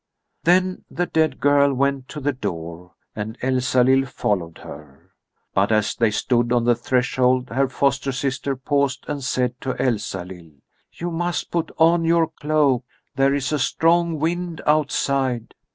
Then the dead girl went to the door, and Elsalill followed her. But as they stood on the threshold her foster sister paused and said to Elsalill: "You must put on your cloak. There is a strong wind outside."